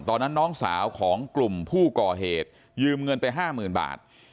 ตอนนั้นน้องสาวของกลุ่มผู้ก่อเหตุยืมเงินไป๕๐๐๐๐บาท